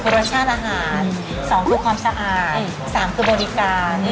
๑รสชาติอาหาร๒ความสะอาด๓บริการ